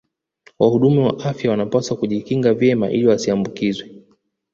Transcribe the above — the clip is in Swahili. Wahudumu wa afya wanapaswa kujikinga vyema ili wasiambukizwe